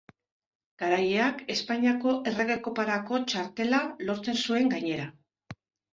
Garaileak Espainiako Errege Koparako txartela lortzen zuen gainera.